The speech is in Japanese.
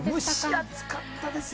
蒸し暑かったです。